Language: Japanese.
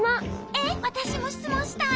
えっわたしもしつもんしたい！